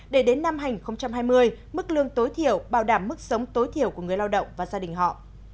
để đến năm hai nghìn hai mươi mức lương tối thiểu bảo đảm mức sống tối thiểu của người lao động và gia đình họ